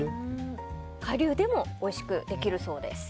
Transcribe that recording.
顆粒でもおいしくできるそうです。